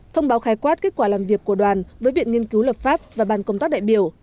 thông báo khái quát kết quả làm việc của đoàn với viện nghiên cứu lập pháp và ban công tác đại biểu